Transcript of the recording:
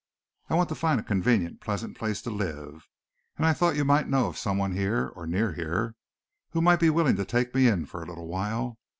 I want to find a convenient, pleasant place to live, and I thought you might know of someone here, or near here, who might be willing to take me in for a little while.